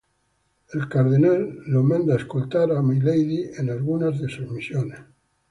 Es mandado por el cardenal a escoltar a Milady en algunas de sus misiones.